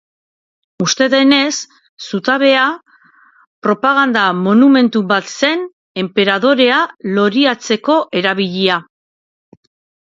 Uste denez, zutabea, propaganda monumentu bat zen, enperadorea loriatzeko erabilia.